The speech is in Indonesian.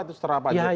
itu seterah pak jokowi